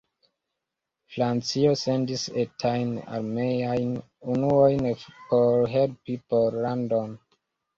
Francio sendis etajn armeajn unuojn por helpi Pollandon.